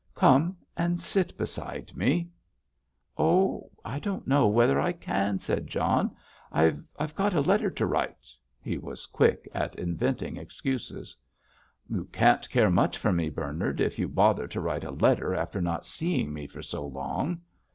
"Come and sit beside me." "Oh, I don't know whether I can," said John; "I've—I've got a letter to write." He was quick at inventing excuses. "You can't care much for me, Bernard, if you bother to write a letter, after not seeing me for so long."